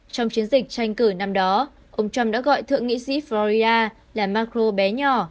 trong chiến dịch tranh cử năm đó ông trump đã gọi thượng nghị sĩ floria là macro bé nhỏ